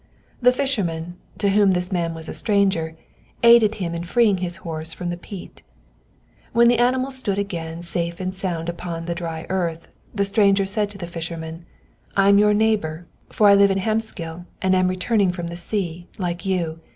The fisherman, to whom this man was a stranger, aided him in freeing his horse from the peat. When the animal stood again safe and sound upon the dry earth, the stranger said to the fisherman, "I am your neighbor, for I live in Hvammsgil, and am returning from the sea, like you.